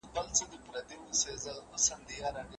پټ یې د لستوڼي له خنجر څخه بېرېږمه